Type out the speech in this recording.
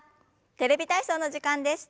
「テレビ体操」の時間です。